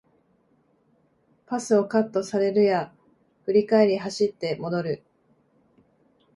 パスをカットされるや振り返り走って戻る